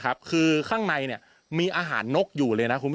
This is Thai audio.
ข้างในมีอาหารนกอยู่เลยนะ